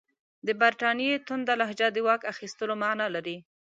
د برټانیې تونده لهجه د واک اخیستلو معنی لري.